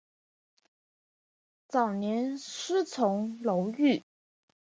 早年师从楼郁。